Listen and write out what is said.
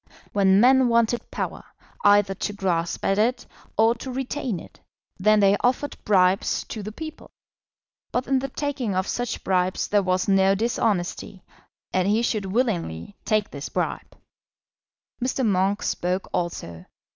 When men wanted power, either to grasp at it or to retain it, then they offered bribes to the people. But in the taking of such bribes there was no dishonesty, and he should willingly take this bribe. Mr. Monk spoke also.